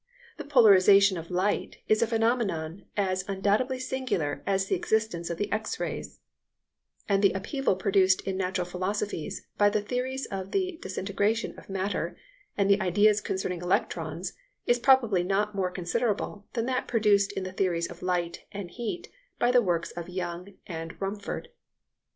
The polarization of light is a phenomenon as undoubtedly singular as the existence of the X rays; and the upheaval produced in natural philosophy by the theories of the disintegration of matter and the ideas concerning electrons is probably not more considerable than that produced in the theories of light and heat by the works of Young and Rumford.